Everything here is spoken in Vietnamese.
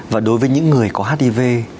và đối với những người có hdv